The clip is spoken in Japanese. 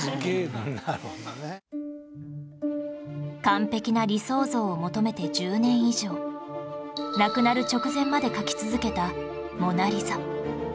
完璧な理想像を求めて１０年以上亡くなる直前まで描き続けた『モナ・リザ』